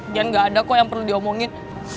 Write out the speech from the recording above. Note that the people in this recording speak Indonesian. biar gak ada kok yang perlu diomongin